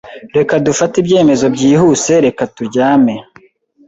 Reka dufate ibyemezo byihuse. Reka turyame.